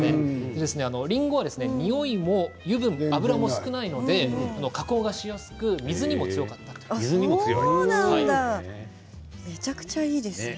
りんごはにおいも油分、油も少ないので加工がしやすく水にも強いめちゃくちゃいいですね。